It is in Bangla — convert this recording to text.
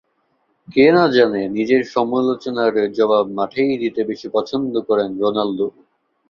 কে না জানে, নিজের সমালোচনার জবাব মাঠেই দিতে বেশি পছন্দ করেন রোনালদো